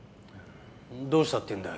どうしたっていうんだ？